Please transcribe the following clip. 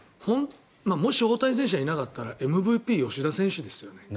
もし大谷選手がいなかったらＭＶＰ、吉田選手ですよね。